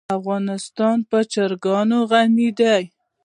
افغانستان په چرګان غني دی.